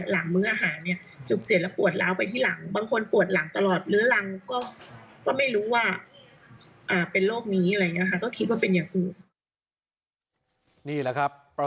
หลังมืออาหารจุกเสียดแล้วปวดเล้าไปที่หลัง